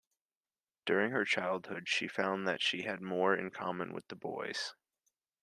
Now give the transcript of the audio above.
During her childhood, she found that she had more in common with the boys.